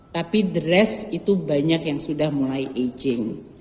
tapi dress itu banyak yang sudah mulai aging